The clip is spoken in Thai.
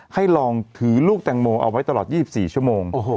ให้ลองถือลูกแตงโมเอาไว้ตลอด๒๔ชั่วโมง